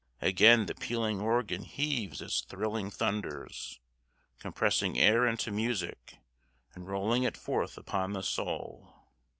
Again the pealing organ heaves its thrilling thunders, compressing air into music, and rolling it forth upon the soul.